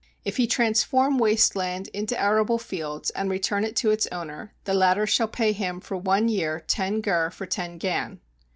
If he transform waste land into arable fields and return it to its owner, the latter shall pay him for one year ten gur for ten gan.